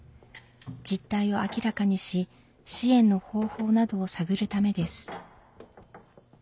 実態を明らかにし支援の方法などを探るためです。